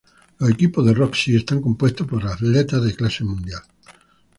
Los equipos de Roxy están compuesto por atletas de clase mundial.